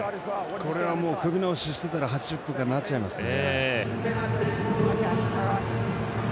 これは組み直ししてたら８０分になっちゃいますね。